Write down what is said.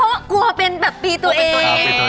เพราะว่ากลัวเป็นแบบปีตัวเอง